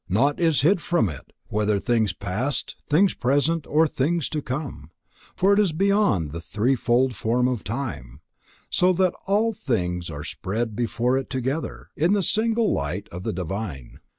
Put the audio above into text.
Nought is hid from it, whether things past, things present, or things to come; for it is beyond the threefold form of time, so that all things are spread before it together, in the single light of the divine.